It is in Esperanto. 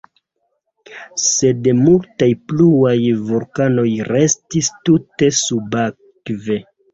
Sed multaj pluaj vulkanoj restis tute subakve.